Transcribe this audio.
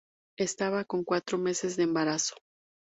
Estaba con cuatro meses de embarazo.